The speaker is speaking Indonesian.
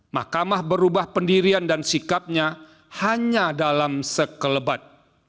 mahkamah berubah pendirian dan sikapnya hanya dalam sekelebat